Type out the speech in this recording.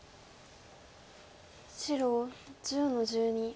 白１０の十二。